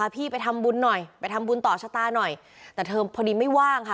ไปทำบุญต่อชะตาหน่อยแต่เธอพอดีไม่ว่างค่ะ